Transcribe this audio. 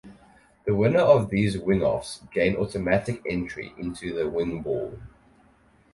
The winner of these "Wingoffs" gain automatic entry into the Wing Bowl.